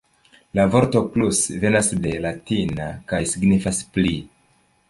La vorto 'plus' venas de la latina kaj signifas 'pli'.